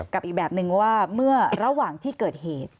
อีกแบบนึงว่าเมื่อระหว่างที่เกิดเหตุ